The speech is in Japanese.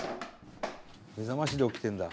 目覚ましで起きてるんだ。